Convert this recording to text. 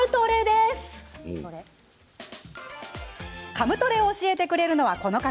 カムトレを教えてくれるのはこの方。